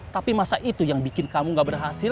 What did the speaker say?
tapi masa itu yang bikin kamu gak berhasil